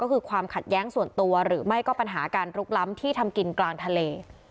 ก็คือความขัดแย้งส่วนตัวหรือไม่ก็ปัญหาการลุกล้ำที่ทำกินกลางทะเล